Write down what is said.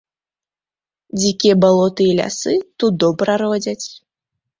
Дзікія балоты і лясы тут добра родзяць.